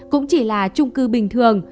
cũng chỉ là trung cư bình thường